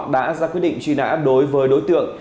đã ra quyết định truy nã đối với đối tượng